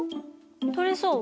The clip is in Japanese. とれそう？